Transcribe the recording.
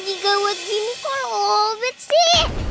lagi gawat gini kok lobet sih